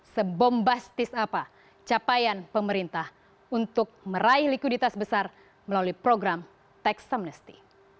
sebombastis apa capaian pemerintah untuk meraih likuiditas besar melalui program tax amnesty